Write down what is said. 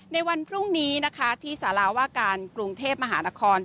ในวันพรุ่งนี้นะคะที่สาราว่าการกรุงเทพมหานคร